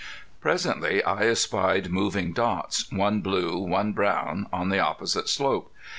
Presently I espied moving dots, one blue, one brown, on the opposite slope.